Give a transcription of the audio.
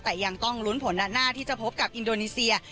แต่ยังต้องลุ้นผลด้านหน้าที่จะพบกับอินโดนีเซีย